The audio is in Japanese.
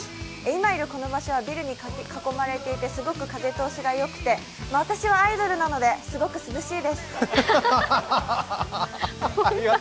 今いるこの場所はビルに囲まれていて、すごく風通しがよくて、私はアイドルなので、すごく涼しいです。